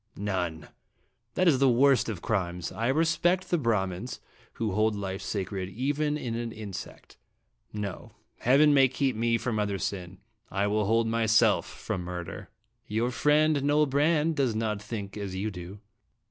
" None. That is the worst of crimes. I respect the Brahmins, who hold life sacred even in an insect. No. Heaven may keep me from other sin I will hold myself from murder." " Your friend, Noel Brande, does not think as you do."